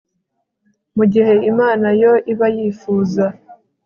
mu gihe imana yo iba yifuza